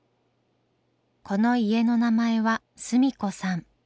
この家の名前はスミコさん。